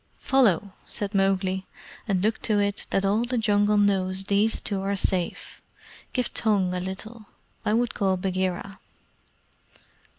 "Follow!" said Mowgli; "and look to it that all the Jungle knows these two are safe. Give tongue a little. I would call Bagheera."